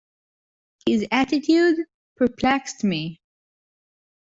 His attitude perplexed me.